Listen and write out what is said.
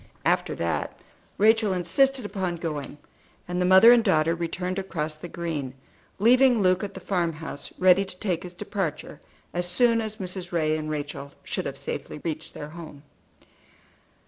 After that Rachel insisted upon going, and the mother and daughter returned across the green, leaving Luke at the farm house, ready to take his departure as soon as Mrs. Ray and Rachel should have safely reached their home.